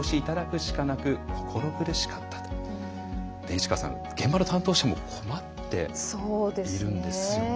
市川さん、現場の担当者も困っているんですよね。